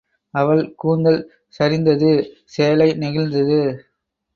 அவள் கூந்தல் சரிந்தது சேலை நெகிழ்ந்தது.